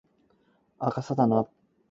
就係咁簡單